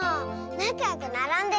なかよくならんでるね